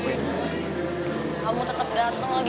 yaudah ben aja dari sini lah